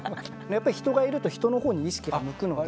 やっぱり人がいると人の方に意識が向くので。